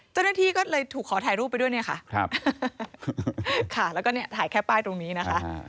เจ้าหน้าที่ก็เลยถูกขอถ่ายรูปไปด้วยเนี่ยค่ะแล้วก็เนี่ยถ่ายแค่ป้ายตรงนี้นะคะ